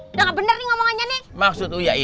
untuk memberi saran saran kepada anak